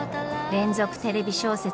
連続テレビ小説